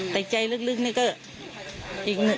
แต่ใจลึกนี่ก็อีก